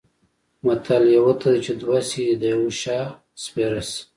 متل: یوه ته چې دوه شي د یوه شا سپېره شي.